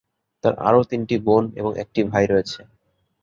তার আরও তিনটি বোন এবং একটি ভাই রয়েছে।